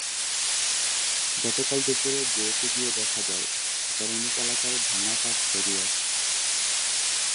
গতকাল দুপুরে বুয়েটে গিয়ে দেখা যায়, একাডেমিক এলাকায় ভাঙা কাচ ছড়িয়ে আছে।